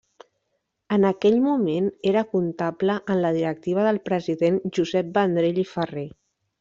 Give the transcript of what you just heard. En aquell moment era comptable en la directiva del president Josep Vendrell i Ferrer.